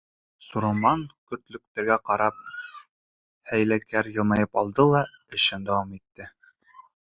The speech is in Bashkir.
Сураман көртлөктәргә ҡарап хәйләкәр йылмайып алды ла эшен дауам итте.